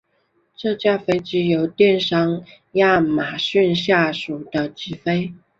这架飞机由电商亚马逊下属的执飞。